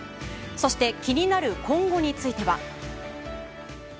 そして、気になる今後については。